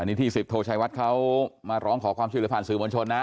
อันนี้ที่๑๐โทชัยวัชเมรินาทีเขามาร้องขอความช่วยเหลือผ่านสื่อมวลชนนะ